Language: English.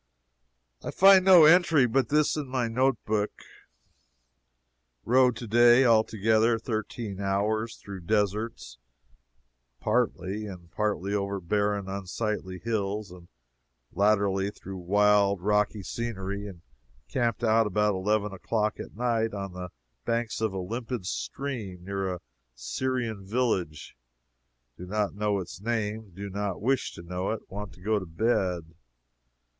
I find no entry but this in my note book: "Rode to day, altogether, thirteen hours, through deserts, partly, and partly over barren, unsightly hills, and latterly through wild, rocky scenery, and camped at about eleven o'clock at night on the banks of a limpid stream, near a Syrian village. Do not know its name do not wish to know it want to go to bed.